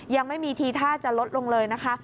ยังไม่มีทีท่าจะลดลงเลยนะคะ